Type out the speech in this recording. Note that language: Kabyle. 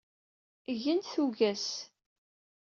Eg-nn tuggas.